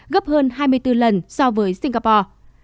gấp hơn hai mươi bốn lần so với singapore